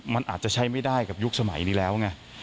มันอาจจะใช้ไม่ได้กับยุคสมัยนี้แล้วไง